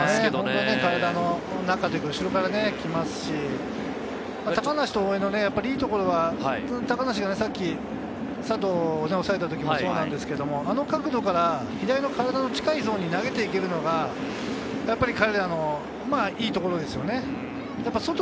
体の中というか、後ろから来ますし、高梨と大江のいいところは高梨がさっき佐藤を抑えた時もそうですが、あの角度から左の体の近いゾーンに投げていけるのが、やっぱり彼のいいところですね。